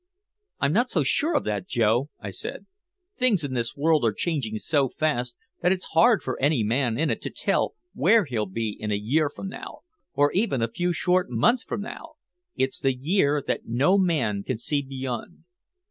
"I'm not so sure of that, Joe," I said. "Things in this world are changing so fast that it's hard for any man in it to tell where he'll be in a year from now or even a few short months from now. It's the year that no man can see beyond."